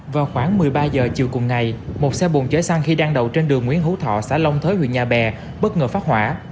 vào khoảng một mươi ba h chiều cùng ngày một xe bồn chở xăng khi đang đậu trên đường nguyễn hữu thọ xã long thới huyện nhà bè bất ngờ phát hỏa